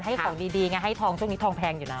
ให้ของดีไงให้ทองช่วงนี้ทองแพงอยู่นะ